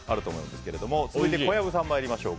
続いて、小籔さんに参りましょう。